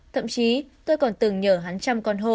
thậm chí tôi còn từng nhờ hắn chăm con hộ